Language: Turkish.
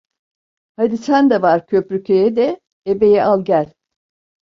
Hadi sen de var Köprüköy'e de ebeyi al gel…